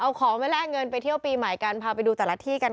เอาของไปแลกเงินไปเที่ยวปีใหม่กันพาไปดูแต่ละที่กัน